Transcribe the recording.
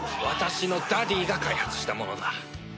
私のダディーが開発したものだ